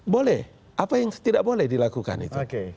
boleh apa yang tidak boleh dilakukan itu